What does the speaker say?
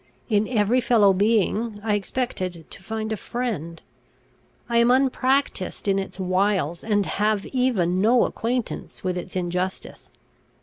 In every fellow being I expected to find a friend. I am unpractised in its wiles, and have even no acquaintance with its injustice.